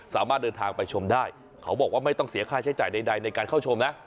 สามารถเดินทางไปชมได้เขาบอกว่าไม่ต้องเสียค่าใช้จ่ายใดในการเข้าชมนะ